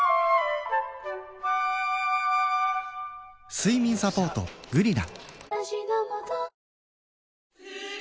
睡眠サポート「グリナ」